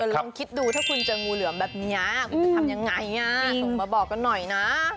ลองคิดดูถ้าคุณเจองูเหลือมแบบนี้คุณจะทำยังไงส่งมาบอกกันหน่อยนะ